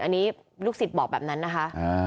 อันนี้ลูกศิษย์บอกแบบนั้นนะคะ